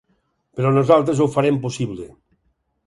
Però nosaltres ho farem possible.